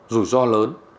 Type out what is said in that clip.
rủi ro lớn